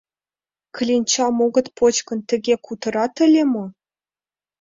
Кленчам огыт поч гын, тыге кутырат ыле мо?